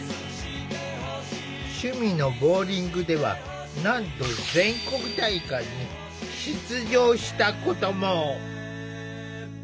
趣味のボウリングではなんと全国大会に出場したことも。